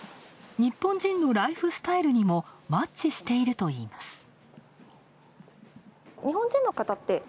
日本人のライフスタイルにもマッチしているといいます。